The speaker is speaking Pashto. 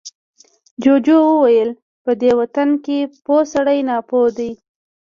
جوجو وويل، په دې وطن کې پوه سړی ناپوه دی.